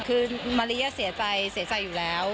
คือมาริยาเสียใจเสียใจอยู่แล้ว